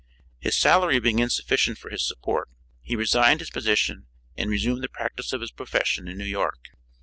His salary being insufficient for his support, he resigned his position and resumed the practice of his profession in New York.